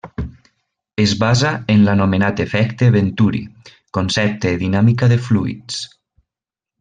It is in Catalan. Es basa en l'anomenat Efecte Venturi, concepte de dinàmica de fluids.